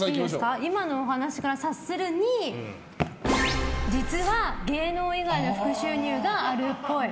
今のお話から察するに実は芸能以外の副収入があるっぽい。